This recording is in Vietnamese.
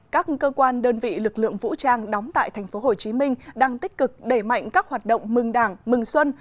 các cơ quan đơn vị lực lượng vũ trang đóng tại tp hcm đang tích cực đẩy mạnh các hoạt động mừng đảng mừng xuân